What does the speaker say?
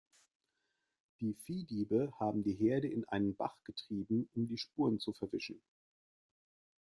Die Viehdiebe haben die Herde in einen Bach getrieben, um die Spuren zu verwischen.